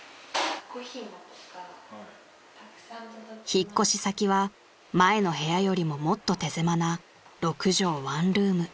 ［引っ越し先は前の部屋よりももっと手狭な６畳ワンルーム］